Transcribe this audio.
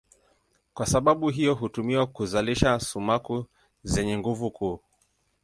Kwa sababu hiyo hutumiwa kuzalisha sumaku zenye nguvu kuu.